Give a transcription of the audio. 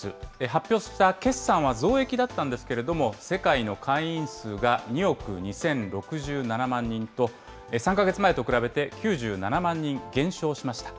発表した決算は増益だったんですけれども、世界の会員数が２億２０６７万人と、３か月前と比べて９７万人減少しました。